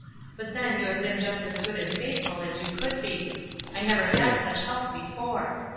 But then you have been just as good and faithful as you could be. I never had such help before.